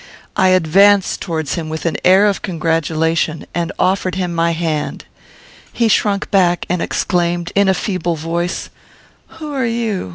I advanced towards him with an air of congratulation, and offered him my hand. He shrunk back, and exclaimed, in a feeble voice, "Who are you?